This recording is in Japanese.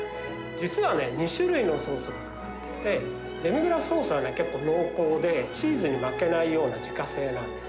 実は２種類のソースがかかっていて、デミグラスソースは結構濃厚で、チーズに負けないような自家製なんです。